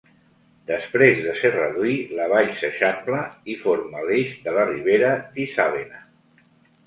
Després de Serradui, la vall s'eixampla i forma l'eix de la ribera d'Isàvena.